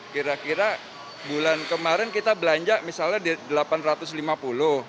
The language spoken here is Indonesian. kira kira bulan kemarin kita belanja misalnya di rp delapan ratus lima puluh